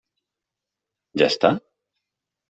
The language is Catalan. Ja està?